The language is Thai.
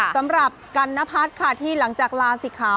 สำหรับกัณฑัฐค่ะที่หลังจากลาสิคะ